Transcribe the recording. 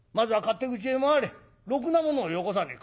ろくな者をよこさねえ。